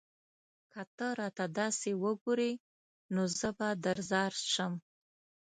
که ته راته داسې وگورې؛ نو زه به درځار شم